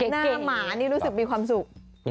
หน้าหมานี่รู้สึกมีความสุข